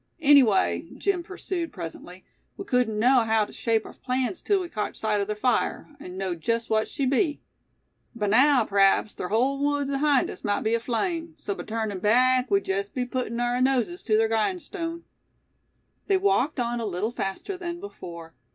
"Anyway," Jim pursued, presently, "we cudn't know haow tew shape our plans till we cotched sight o' ther fire, an' knowed jest what she be. By naow p'raps ther hull woods ahind us mout be aflame; so by turnin' back, we'd jest be puttin' aour noses tew ther grindstone." They walked on a little faster than before.